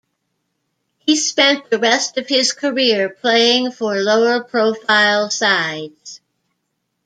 He spent the rest of his career playing for lower profile sides.